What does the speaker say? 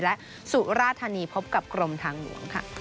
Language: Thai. และสุราธานีพบกับกรมทางหลวงค่ะ